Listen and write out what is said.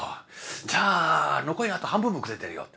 じゃあ残りあと半分もくれてやるよ」。